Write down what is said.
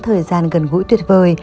thời gian gần gũi tuyệt vời